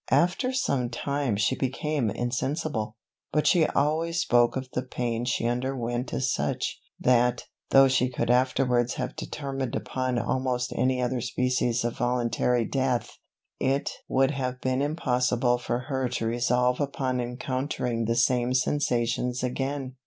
After some time she became insensible; but she always spoke of the pain she underwent as such, that, though she could afterwards have determined upon almost any other species of voluntary death, it would have been impossible for her to resolve upon encountering the same sensations again.